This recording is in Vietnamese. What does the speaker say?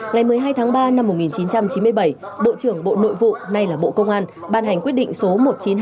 ngày một mươi hai tháng ba năm một nghìn chín trăm chín mươi bảy bộ trưởng bộ nội vụ nay là bộ công an ban hành quyết định số một trăm chín mươi hai